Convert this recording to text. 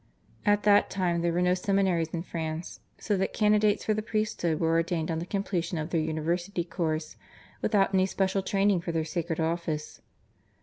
At that time there were no seminaries in France, so that candidates for the priesthood were ordained on the completion of their university course without any special training for their sacred office.